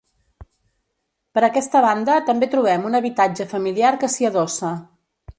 Per aquesta banda també trobem un habitatge familiar que s'hi adossa.